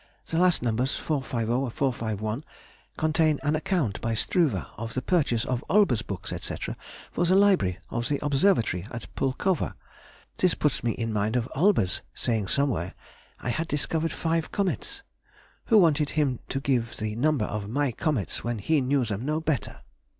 The last numbers, 450, 451, contain an account, by Struve, of the purchase of Olbers' books, &c., for the library of the Observatory at Pulkowa. This puts one in mind of Olbers saying somewhere, I had discovered five comets. Who wanted him to give the number of my comets when he knew them no better?